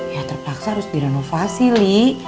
ya terpaksa harus direnovasi li